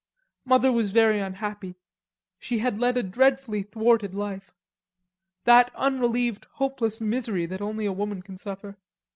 Mother was very unhappy. She had led a dreadfully thwarted life... that unrelieved hopeless misery that only a woman can suffer.